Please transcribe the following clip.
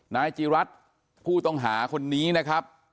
นายจีรัฐผู้ต้องหาคนนี้นะครับ